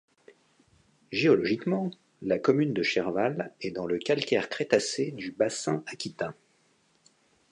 Géologiquement, la commune de Cherval est dans le calcaire crétacé du Bassin aquitain.